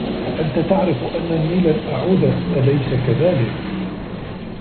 أنت تعرف أنني لن أعود، أليس كذلك؟